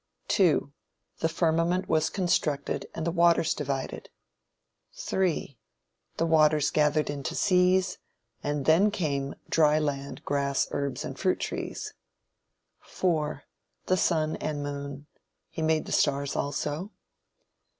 2. The firmament was constructed and the waters divided. 3. The waters gathered into seas and then came dry land, grass, herbs and fruit trees. 4. The sun and moon. He made the stars also.